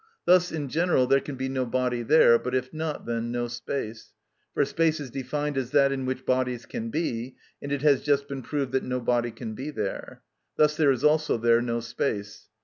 Thus in general there can be no body there—but if not, then no space. For space is defined as "that in which bodies can be;" and it has just been proved that no body can be there. Thus there is also there no space.